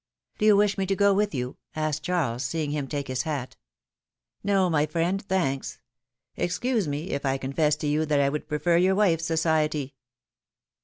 ^'Do you wish me to go with you?^^ asked Cliarles, seeing him take his Iiat. ''No, my friend, thanks; excuse me, if I confess to you that I would prefer your wife's society."